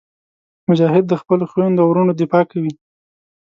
مجاهد د خپلو خویندو او وروڼو دفاع کوي.